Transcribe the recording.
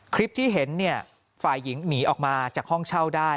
คลิปที่เห็นเนี่ยฝ่ายหญิงหนีออกมาจากห้องเช่าได้